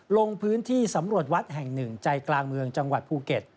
ลงพื้นที่สำรวจวัดแห่งหนึ่งใจกลางเมืองจังหวัดภูเก็ต